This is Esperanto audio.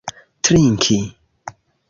trinki